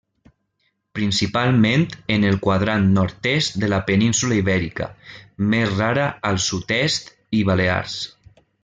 Principalment en el quadrant nord-est de la península Ibèrica -més rara al sud-est -i Balears.